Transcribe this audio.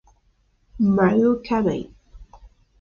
Mareo Kamei